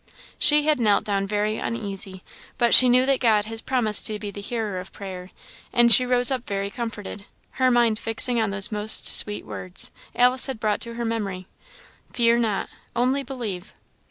She had knelt down very uneasy; but she knew that God has promised to be the hearer of prayer, and she rose up very comforted, her mind fixing on those most sweet words Alice had brought to her memory "Fear not, only believe."